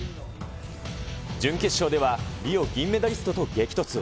準決勝では、リオ銀メダリストと激突。